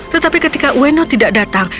tetapi ketika ueno tidak datang